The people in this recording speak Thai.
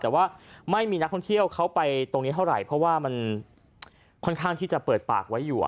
แต่ว่าไม่มีนักท่องเที่ยวเขาไปตรงนี้เท่าไหร่เพราะว่ามันค่อนข้างที่จะเปิดปากไว้อยู่